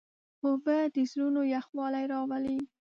اوبه د زړونو یخوالی راولي.